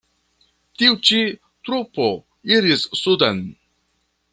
Tiu ĉi trupo iris suden.